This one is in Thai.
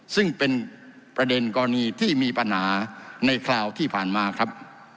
ซึ่งเป็นประเด็นกรณีที่มีปัญหาในคราวที่ผ่านมาครับ